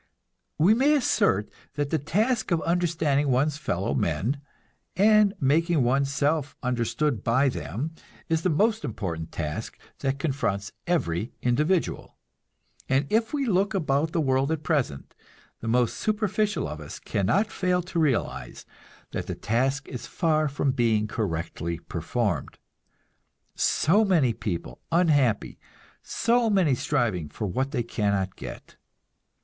We may assert that the task of understanding one's fellow men, and making one's self understood by them, is the most important task that confronts every individual. And if we look about the world at present, the most superficial of us cannot fail to realize that the task is far from being correctly performed. So many people unhappy, so many striving for what they cannot get!